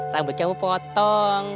rambut kamu potong